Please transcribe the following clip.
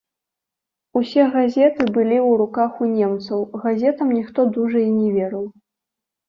Усе газеты былі ў руках у немцаў, газетам ніхто дужа і не верыў.